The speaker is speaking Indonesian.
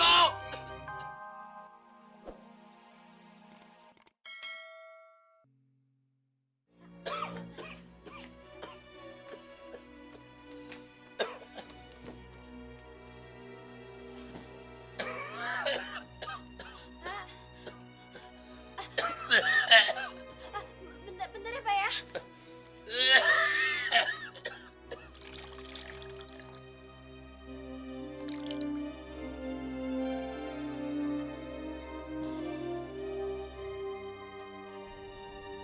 bentar ya pak ya